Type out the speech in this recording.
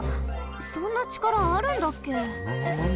そんなちからあるんだっけ？